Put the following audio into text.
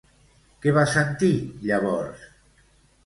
Què va sentir llavors?